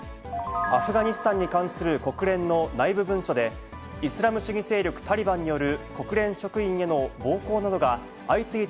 アフガニスタンに関する国連の内部文書で、イスラム主義勢力タリバンによる国連職員への暴行などが相次いで